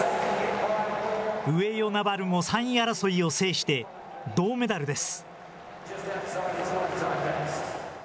上与那原も３位争いを制して銅メダルです。